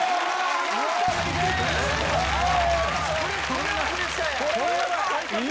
これはプレッシャーや。